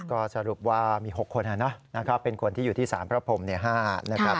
ก็สรุปว่ามี๖คนเป็นคนที่อยู่ที่๓พระพรม๕นะครับ